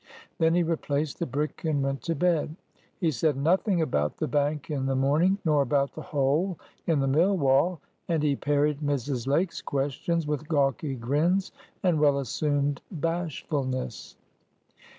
Then he replaced the brick, and went to bed. He said nothing about the bank in the morning nor about the hole in the mill wall; and he parried Mrs. Lake's questions with gawky grins and well assumed bashfulness.